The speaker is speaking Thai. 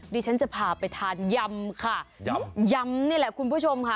ดิฉันจะพาไปทานยำค่ะยำยำนี่แหละคุณผู้ชมค่ะ